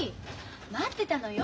待ってたのよ。